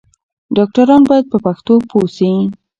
ډاکټران بايد په پښتو پوه شي.